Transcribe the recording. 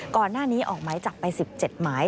ก่อนหน้านี้ออกหมายจับไป๑๗หมาย